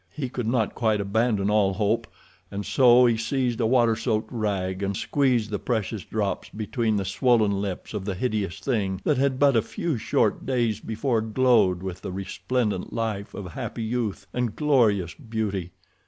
He could not quite abandon all hope, and so he seized a water soaked rag and squeezed the precious drops between the swollen lips of the hideous thing that had but a few short days before glowed with the resplendent life of happy youth and glorious beauty.